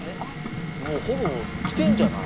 もうほぼきてるんじゃない？